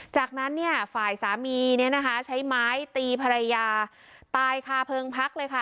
จากนั้นฝ่ายสามีใช้ไม้ตีภรรยาตายผลเภิงพรรคเลย